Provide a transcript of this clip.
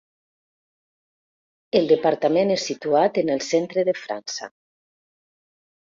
El departament és situat en el centre de França.